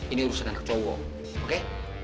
ini urusan anak cowok oke